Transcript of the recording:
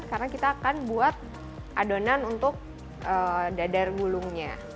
karena kita akan buat adonan untuk dadar gulungnya